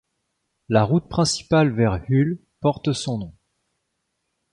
La route principale vers Hull porte son nom.